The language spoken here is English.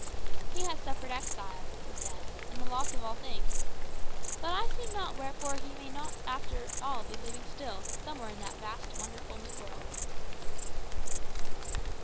"He has suffered exile," he said, "and the loss of all things. But I see not wherefore he may not after all be living still, somewhere in that vast wonderful New World."